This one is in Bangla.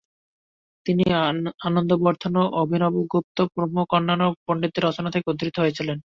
তিনি আনন্দবর্ধন ও অভিনবগুপ্ত প্রমুখ অন্যান্য পণ্ডিতদের রচনা থেকে উদ্ধৃতি দিয়েছেন।